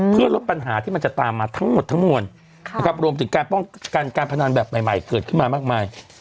เพื่อลดปัญหาที่มันจะตามมาทั้งหมดทั้งมวลนะครับรวมถึงการป้องกันการพนันแบบใหม่เกิดขึ้นมามากมาย